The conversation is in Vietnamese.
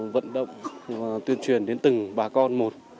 vận động tuyên truyền đến từng bà con một